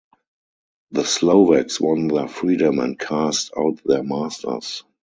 The Slovaks won their freedom and cast out their masters.